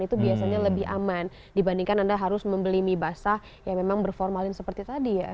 itu biasanya lebih aman dibandingkan anda harus membeli mie basah yang memang berformalin seperti tadi ya